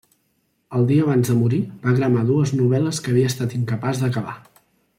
El dia abans de morir va cremar dues novel·les que havia estat incapaç d'acabar.